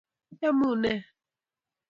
Yomune?